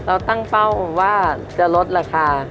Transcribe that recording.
เราตั้งเป้าว่าจะลดราคา